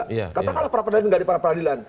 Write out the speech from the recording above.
katakanlah peradilan tidak ada peradilan